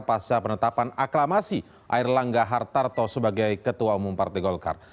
pasca penetapan aklamasi air langga hartarto sebagai ketua umum partai golkar